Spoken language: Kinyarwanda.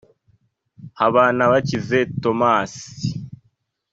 Habanabakize Thomas